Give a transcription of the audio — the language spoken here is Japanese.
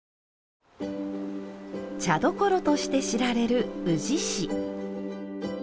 茶どころとして知られる宇治市。